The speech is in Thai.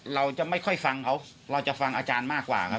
เราจะไม่ค่อยฟังเขาเราจะฟังอาจารย์มากกว่าครับ